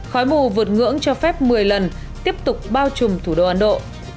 khói mù vượt ngưỡng cho phép một mươi lần tiếp tục bao trùm thủ đô ấn độ